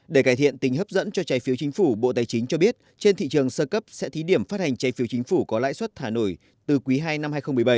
để cải thiện tình hấp dẫn cho trái phiếu chính phủ bộ tài chính cho biết trên thị trường sơ cấp sẽ thí điểm phát hành trái phiếu chính phủ có lãi suất thả nổi từ quý ii năm hai nghìn một mươi bảy